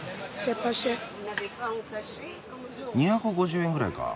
２５０円ぐらいか。